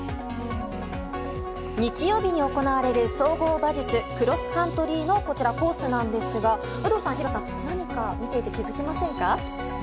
日曜日に行われる総合馬術クロスカントリーのコースなんですが有働さん、弘さん何か見ていて気づきませんか？